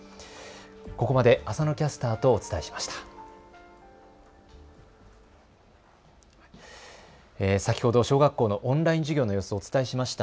ここまで浅野キャスターとお伝えしました。